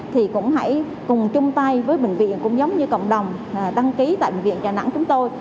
thì cũng hãy cùng chung tay với bệnh viện cũng giống như cộng đồng đăng ký tại bệnh viện đà nẵng chúng tôi